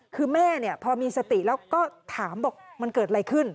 คือแม่พอมีสติแล้วก็ถามบอกมันเกิดอะไรขึ้น